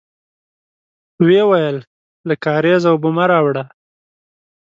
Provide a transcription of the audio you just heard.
ويې ويل: له کارېزه اوبه مه راوړی!